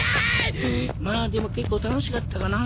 まあでも結構楽しかったかな。